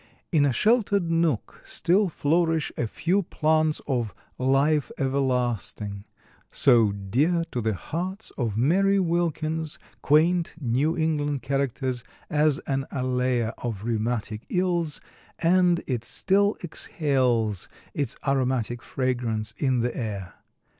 In a sheltered nook still flourish a few plants of "Life Everlastin'," so dear to the hearts of Mary Wilkin's quaint New England characters as an allayer of rheumatic ills, and it still exhales its aromatic fragrance in the air.